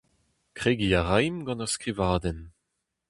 Kregiñ a raimp gant ur skrivadenn.